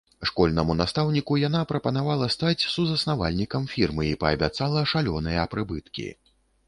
Школьнаму настаўніку яна прапанавала стаць сузаснавальнікам фірмы і паабяцала шалёныя прыбыткі.